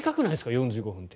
４５分って。